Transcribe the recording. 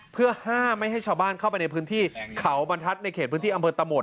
เพื่อห้ามไม่ให้ชาวบ้านเข้าไปในพื้นที่เขาบรรทัศน์ในเขตพื้นที่อำเภอตะโหมด